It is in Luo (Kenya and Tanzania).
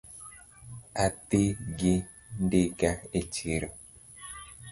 Adhi gi ndiga e chiro